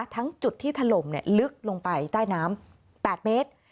ทั้งจุดที่ถล่มลึกลงไปใต้น้ำ๘เมตร